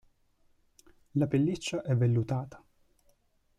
La pelliccia è vellutata.